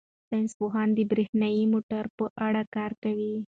ساینس پوهان د بریښنايي موټرو په اړه کار کوي.